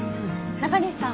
中西さん